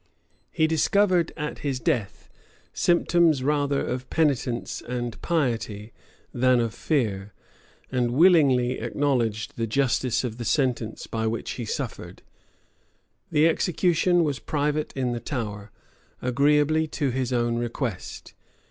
He discovered at his death symptoms rather of penitence and piety than of fear; and willingly acknowledged the justice of the sentence by which he suffered. The execution was private in the Tower, agreeably to his own request.